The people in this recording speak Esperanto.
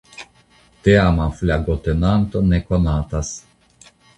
Teama flagotenanto ne konatas.